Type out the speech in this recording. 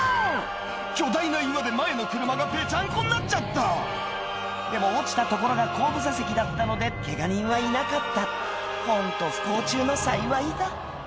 巨大な岩で前の車がぺちゃんこになっちゃったでも落ちた所が後部座席だったのでケガ人はいなかったホント不幸中の幸いだ